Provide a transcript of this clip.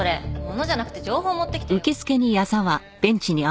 物じゃなくて情報持ってきてよ。